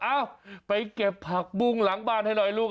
เอ้าไปเก็บผักบุ้งหลังบ้านให้หน่อยลูก